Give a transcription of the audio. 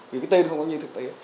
vì cái tên không có như thực tế